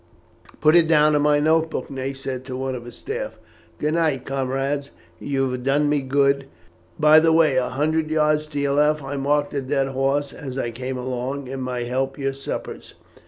"Put it down in my note book," Ney said to one of his staff. "Good night, comrades, you have done me good. By the way, a hundred yards to your left I marked a dead horse as I came along; it may help your suppers."